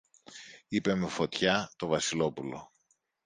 είπε με φωτιά το Βασιλόπουλο